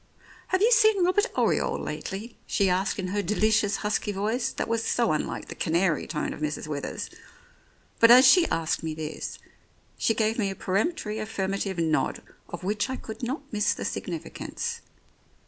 "Have you seen Robert Oriole lately? " she asked in her delicious husky voice, that was so unlike the canary tone of Mrs. Withers. But as she asked me this, she gave me a peremptory affirmative nod of which I could not miss the significance.